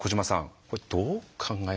これどう考えますか？